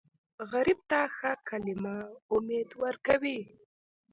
غریب ته ښه کلمه امید ورکوي